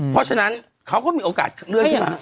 เพราะฉะนั้นเขาก็มีโอกาสเลื่อนขึ้นมา